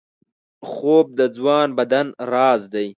خوب د ځوان بدن راز دی